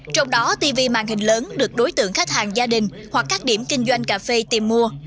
trong đó tv màn hình lớn được đối tượng khách hàng gia đình hoặc các điểm kinh doanh cà phê tìm mua